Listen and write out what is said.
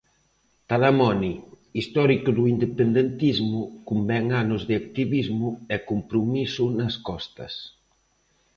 Talamoni, histórico do independentismo, con ben anos de activismo e compromiso nas costas.